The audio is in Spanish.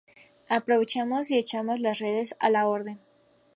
aprovechamos y echamos las redes. a la orden.